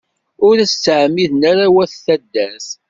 Ur as-ttɛemmiden ara wat taddart.